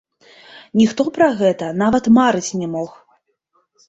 Ніхто пра гэта нават марыць не мог.